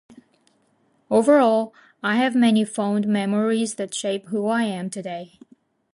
Overall, I have many fond memories that shape who I am today.